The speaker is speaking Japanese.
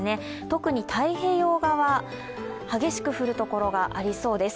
特に太平洋側、激しく降る所がありそうです。